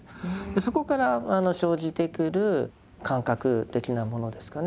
そこから生じてくる感覚的なものですかね